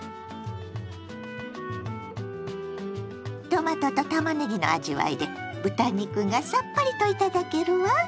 トマトとたまねぎの味わいで豚肉がさっぱりと頂けるわ。